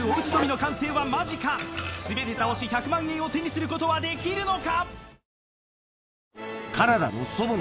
完成は間近全て倒し１００万円を手にすることはできるのか？